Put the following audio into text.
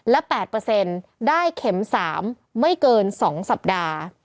และ๘ได้เข็ม๓ไม่เกิน๒สัปดาห์